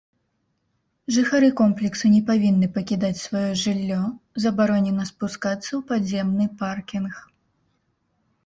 Жыхары комплексу не павінны пакідаць сваё жыллё, забаронена спускацца ў падземны паркінг.